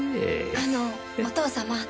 あのお義父様。